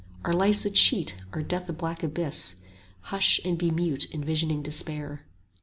40 Our life's a cheat, our death a black abyss: Hush and be mute envisaging despair.